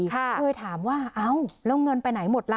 เคยถามว่าเอ้าแล้วเงินไปไหนหมดล่ะ